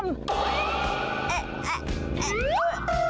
หอย